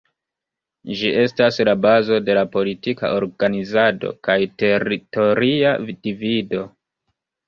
Ĝi estas la bazo de la politika organizado kaj teritoria divido.